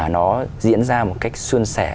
nó diễn ra một cách xuân sẻ